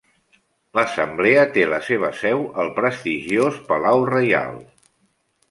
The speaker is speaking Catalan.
L'Assemblea té la seva seu al prestigiós Palau Reial.